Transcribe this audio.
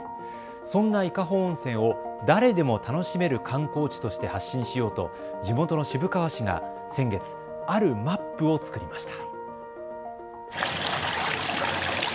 そんな伊香保温泉を誰でも楽しめる観光地として発信しようと地元の渋川市が先月、あるマップを作りました。